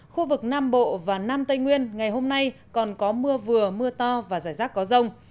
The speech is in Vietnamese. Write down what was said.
khu vực nam bộ và nam tây nguyên ngày hôm nay còn có mưa vừa mưa to và rải rác có rông